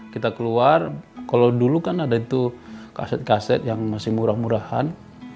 kita keluar kalau dulu kan ada itu kaset kaset yang masih murah murahan